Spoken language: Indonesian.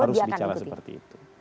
secara diplomatis harus bicara seperti itu